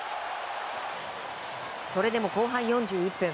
それでも後半４１分。